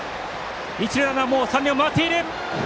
一塁ランナーは三塁を回っている。